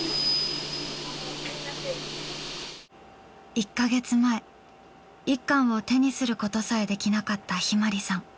１カ月前１巻を手にすることさえできなかった向葵さん。